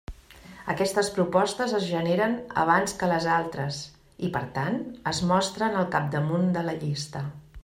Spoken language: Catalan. Aquestes propostes es generen abans que les altres i per tant es mostren al capdamunt de la llista.